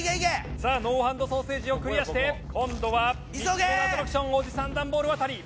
さあノーハンドソーセージをクリアして今度は３つ目のアトラクションおじさんダンボール渡り。